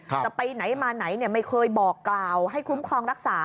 จะไปไหนมาไหนไม่เคยบอกกล่าวให้คุ้มครองรักษา